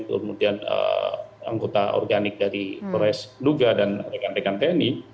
kemudian anggota organik dari polres duga dan rekan rekan tni